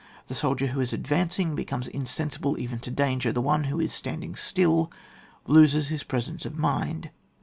The soldier who is advancing becomes insensible even to danger* the one who is standing still loses his presence of mind.